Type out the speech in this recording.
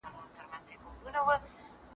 موږ باید د خدای حقونو ته پام وکړو.